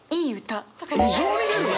異常に出るわ！